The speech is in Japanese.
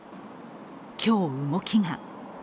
今日、動きが。